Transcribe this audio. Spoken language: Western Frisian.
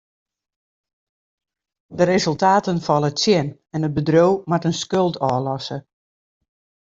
De resultaten falle tsjin en it bedriuw moat in skuld ôflosse.